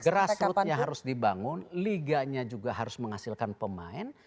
grassrootnya harus dibangun liganya juga harus menghasilkan pemain